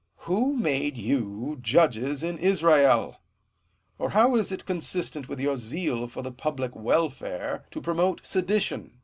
>A'ho made you judges in Israel? Or how is it consistent with your zeal for the public welfare, to promote sedition